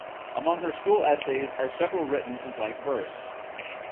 Among her school essays are several written in blank verse.